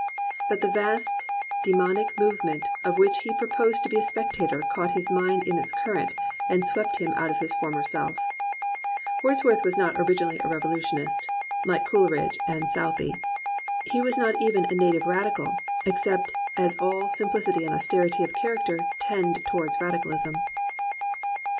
But the vast daemonic move ment of which he proposed to be a spectator caught his mind in its current and swept him out of his former self. Wordsworth was not originally a revolutionist, 194 THE RECOVERY OF JOY like Coleridge and Southey. He was not even a native radical, except as all simplicity and austerity of character tend towards radicalism.